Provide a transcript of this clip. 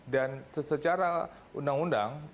dan secara undang undang